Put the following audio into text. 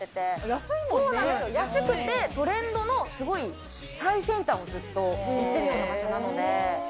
安いもんね。安くてトレンドのすごい最先端をずっと行ってるような場所なので。